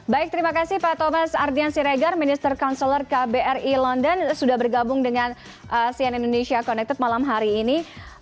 baik terima kasih pak thomas ardian siregar minister councillor kbri london sudah bergabung dengan cn indonesia connected malam hari ini